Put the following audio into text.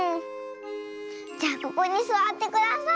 じゃあここにすわってください。